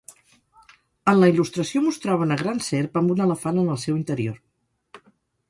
En la il·lustració mostrava una gran serp amb un elefant en el seu interior.